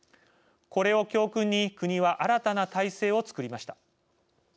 これを教訓に国は新たな体制を作りました。